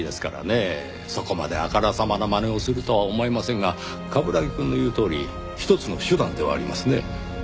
そこまであからさまなまねをするとは思えませんが冠城くんの言うとおりひとつの手段ではありますね。